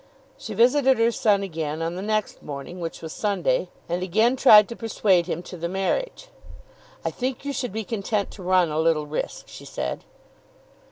She visited her son again on the next morning, which was Sunday, and again tried to persuade him to the marriage. "I think you should be content to run a little risk," she said.